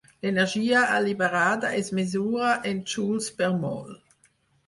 L'energia alliberada es mesura en joules per mol.